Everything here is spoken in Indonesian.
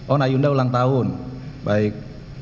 oh nayunda ulang tahun baik